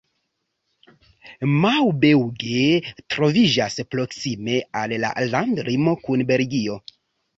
Maubeuge troviĝas proksime al la landlimo kun Belgio.